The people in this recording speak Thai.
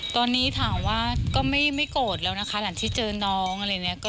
ตอนนี้ถามว่าก็ไม่โกรธแล้วนะคะหลังที่เจอน้องอะไรอย่างนี้